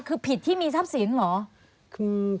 คือผิดที่มีทรัพย์สินเหรอ